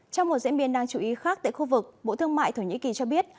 trong một diễn biến đáng chú ý khác tại khu vực bộ thương mại thổ nhĩ kỳ cho biết